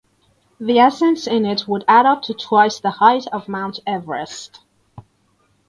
The ascents in it would add up to twice the height of Mount Everest.